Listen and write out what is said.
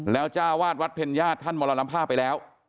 แล้วเจ้าวาดวัดเพนญาติบ้านท่านมรรณภาไปแล้ว